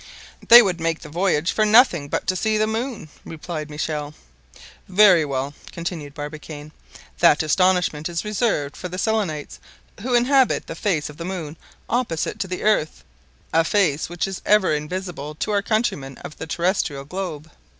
"They would make the voyage for nothing but to see the moon!" replied Michel. "Very well!" continued Barbicane, "that astonishment is reserved for the Selenites who inhabit the face of the moon opposite to the earth, a face which is ever invisible to our countrymen of the terrestrial globe."